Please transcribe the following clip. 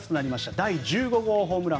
第１５号ホームラン。